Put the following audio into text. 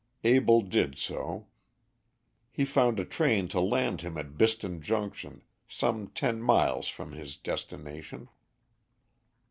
Abell did so. He found a train to land him at Biston Junction, some ten miles from his destination.